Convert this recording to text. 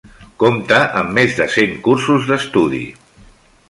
Compta amb més de cent cursos d'estudi.